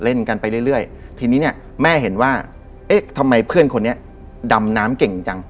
กันไปเรื่อยทีนี้เนี่ยแม่เห็นว่าเอ๊ะทำไมเพื่อนคนนี้ดำน้ำเก่งจัง